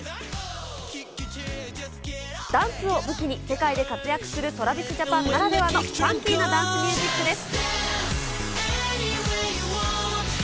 ダンスを武器に、世界で活躍するトラビス・ジャパンならではのファンキーなダンスミュージックです。